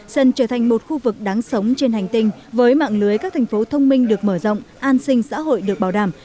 sân trở thành một khu vực đáng sống trên hành tinh với mạng lưới các thành phố thông minh được mở rộng an sinh xã hội được bảo đảm